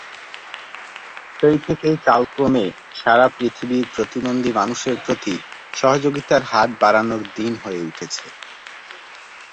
সেই থেকেই কালক্রমে সারা পৃথিবীর প্রতিবন্ধী মানুষের প্রতি সহযোগিতার হাত বাড়ানোর দিন হয়ে উঠেছে।